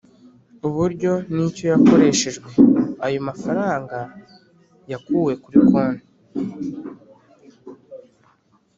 uburyo n icyo yakoreshejwe Ayo mafaranga yakuwe kuri konti